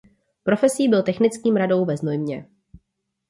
Profesí byl technickým radou ve Znojmě.